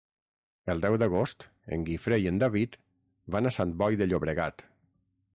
El deu d'agost en Guifré i en David van a Sant Boi de Llobregat.